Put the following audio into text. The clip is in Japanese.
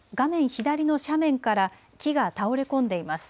左の斜面から木が倒れ込んでいます。